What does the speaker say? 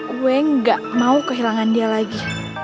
gue gak mau kehilangan dia lagi